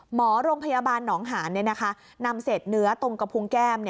หมอโรงพยาบาลหนองหานนำเศษเนื้อตรงกระพุงแก้ม